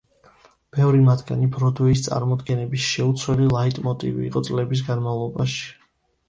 ბევრი მათგანი ბროდვეის წარმოდგენების შეუცვლელი ლაიტმოტივი იყო წლების განმავლობაში.